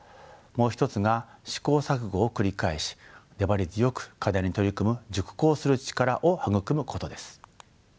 もう一つが試行錯誤を繰り返し粘り強く課題に取り組む熟考する力を育むことです。